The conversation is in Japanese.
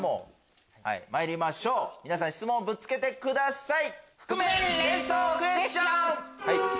参りましょう皆さん質問ぶつけてください。